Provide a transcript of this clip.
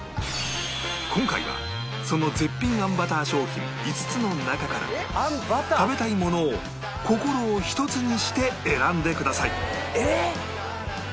今回はその絶品あんバター商品５つの中から食べたいものを心を一つにして選んでくださいえっ！